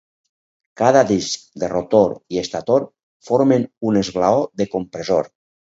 Cada disc de rotor i estator formen un esglaó de compressor.